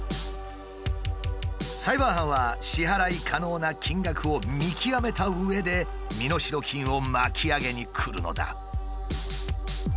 サイバー犯は支払い可能な金額を見極めたうえで身代金を巻き上げにくるのだ。